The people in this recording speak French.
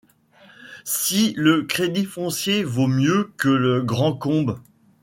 Si le Crédit foncier vaut -mieux que le Grand’Combe ;